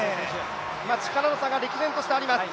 力の差が歴然としてあります。